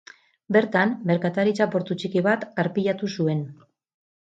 Bertan, merkataritza portu txiki bat arpilatu zuen.